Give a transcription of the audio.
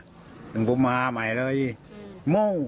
โกรธจากเรื่องอื่นต้องมารับเค้าแทนเพียงแค่อารมณ์โกรธจากเรื่องอื่น